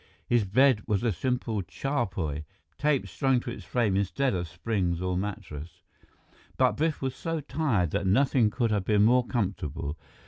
His bed was a simple charpoy tapes strung to its frame instead of springs or mattress but Biff was so tired that nothing could have been more comfortable.